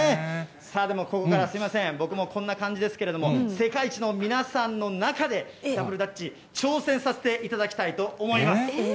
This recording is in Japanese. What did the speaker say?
さあ、でもここから、すみません、僕もこんな感じですけれども、世界一の皆さんの中で、ダブルダッチ、挑戦させていただきたいと思います。